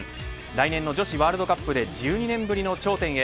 来年の女子ワールドカップで１２年ぶりの頂点へ。